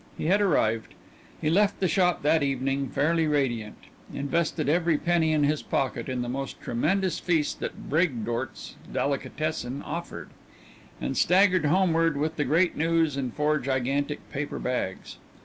He had arrived. At thirty he had reached a post of importance. He left the shop that evening fairly radiant, invested every penny in his pocket in the most tremendous feast that Braegdort's delicatessen offered, and staggered homeward with the great news and four gigantic paper bags.